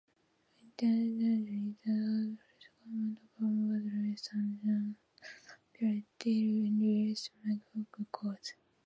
Interestingly, the Frehley's Comet album was released on Jon Zazula's apparently unrelated Megaforce Records.